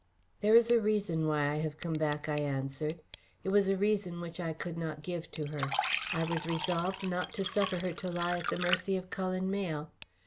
"There is a reason why I have come back," I answered. It was a reason which I could not give to her. I was resolved not to suffer her to lie at the mercy of Cullen Mayle.